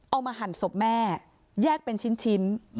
เอามาหั่นสบแม่แยกเป็นชิ้น